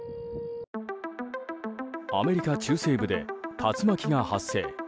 アメリカ中西部で竜巻が発生。